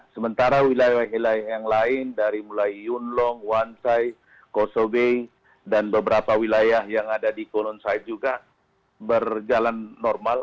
sementara wilayah wilayah yang lain dari mulai yunlong wansai kosobe dan beberapa wilayah yang ada di kolonsai juga berjalan normal